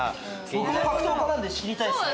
僕も格闘家なんで知りたいですね。